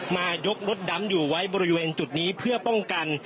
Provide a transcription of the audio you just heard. มายกรถดำอยู่ไว้บริเวณจุดนี้เพื่อป้องกัน